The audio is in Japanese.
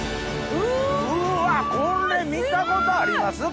うわっこれ見たことあります？